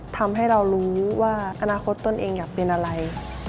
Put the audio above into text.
ทำให้เรารู้ว่าอนาคตตนเองอยากเป็นอะไร